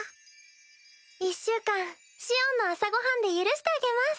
１週間シオンの朝ごはんで許してあげます。